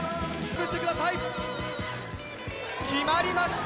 決まりました！